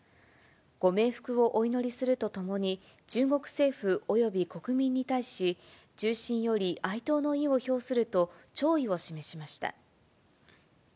ご冥福をお祈りするとともに、中国政府および国民に対し、衷心より哀悼の意を表すると弔意を示しました。